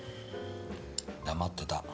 黙ってた。